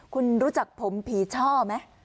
คุณรู้จักผมผีช่อไหม